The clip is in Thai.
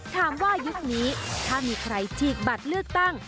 ยุคนี้ถ้ามีใครฉีกบัตรเลือกตั้ง